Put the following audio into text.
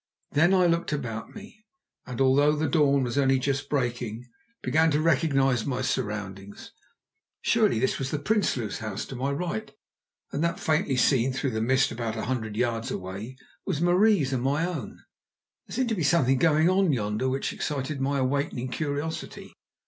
Then I looked about me, and, although the dawn was only just breaking, began to recognise my surroundings. Surely this was the Prinsloos' house to my right, and that, faintly seen through the mist about a hundred paces away, was Marie's and my own. There seemed to be something going on yonder which excited my awakening curiosity.